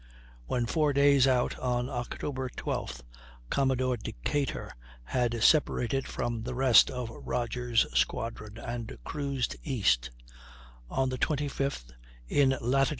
When four days out, on Oct. 12th, Commodore Decatur had separated from the rest of Rodgers' squadron and cruised east; on the 25th, in lat.